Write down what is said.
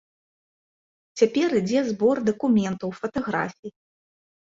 Цяпер ідзе збор дакументаў, фатаграфій.